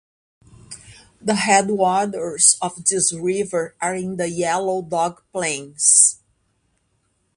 The headwaters of this river are in the Yellow Dog Plains.